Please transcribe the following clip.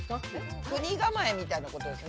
「くにがまえ」みたいなことですね？